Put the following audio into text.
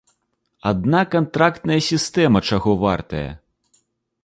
Адна кантрактная сістэма чаго вартая!